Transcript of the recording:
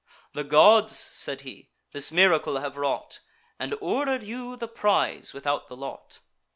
"The gods," said he, "this miracle have wrought, And order'd you the prize without the lot.